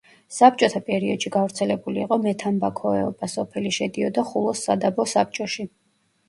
საბჭოთა პერიოდში გავრცელებული იყო მეთამბაქოეობა, სოფელი შედიოდა ხულოს სადაბო საბჭოში.